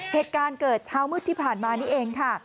เหตุการณ์เกิดเช้ามืดที่ผ่านมานี่เองค่ะ